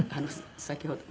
先ほど。